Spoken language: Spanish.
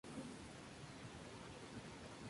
Se encuentra en el río Senegal y el río Níger.